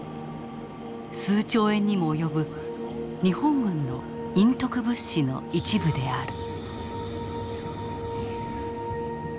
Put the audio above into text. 数兆円にも及ぶ日本軍の隠匿物資の一部である。